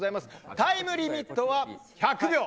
タイムリミットは１００秒。